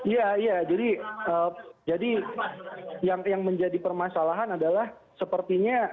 ya iya jadi yang menjadi permasalahan adalah sepertinya